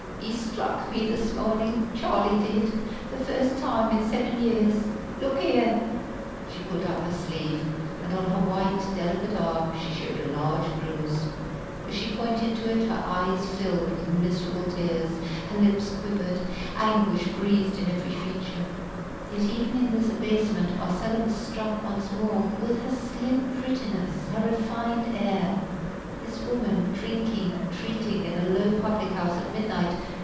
"He struck me this morning! Charlie did the first time in seven years. Look here!" She pulled up her sleeve, and on her white, delicate arm she showed a large bruise. As she pointed to it her eyes filled with miserable tears; her lips quivered; anguish breathed in every feature. Yet even in this abasement Marcella was struck once more with her slim prettiness, her refined air. This woman drinking and treating in a low public house at midnight!